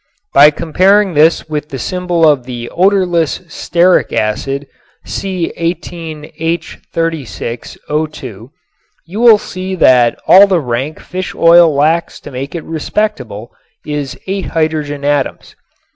By comparing this with the symbol of the odorless stearic acid, C_H_O_, you will see that all the rank fish oil lacks to make it respectable is eight hydrogen atoms.